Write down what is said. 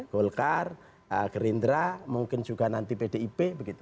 golkar gerindra mungkin juga nanti pdip